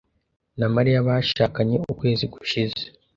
Na Mariya bashakanye ukwezi gushize.